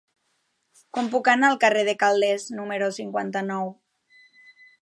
Com puc anar al carrer de Calders número cinquanta-nou?